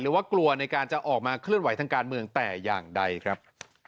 ว่ากลัวในการจะออกมาเคลื่อนไหวทางการเมืองแต่อย่างใดครับ